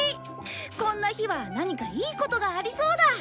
こんな日は何かいいことがありそうだ。